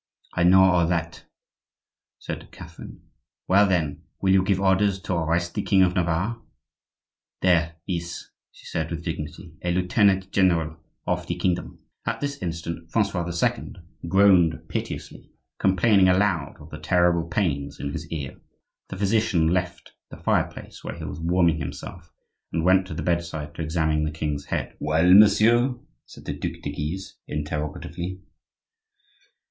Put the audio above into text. "I know all that," said Catherine. "Well, then, will you give orders to arrest the king of Navarre?" "There is," she said with dignity, "a lieutenant general of the kingdom." At this instant Francois II. groaned piteously, complaining aloud of the terrible pains in his ear. The physician left the fireplace where he was warming himself, and went to the bedside to examine the king's head. "Well, monsieur?" said the Duc de Guise, interrogatively.